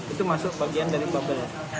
itu masuk bagian dari bubble